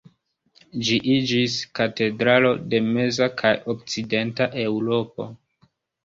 Ĝi iĝis katedralo de meza kaj okcidenta Eŭropo.